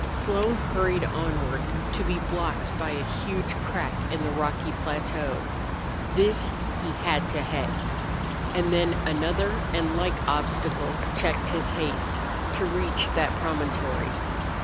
Slone hurried onward, to be blocked by a huge crack in the rocky plateau. This he had to head. And then another and like obstacle checked his haste to reach that promontory.